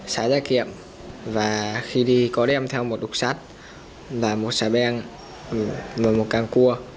xã gia kiệm và khi đi có đem theo một đục sắt và một xà beng và một căng cua